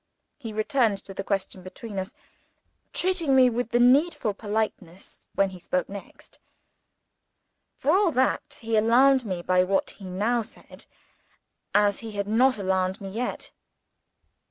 He returned to the question between us; treating me with the needful politeness, when he spoke next. For all that, he alarmed me, by what he now said, as he had not alarmed me yet.